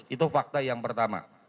itu fakta yang pertama